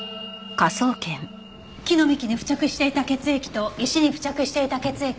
木の幹に付着していた血液と石に付着していた血液。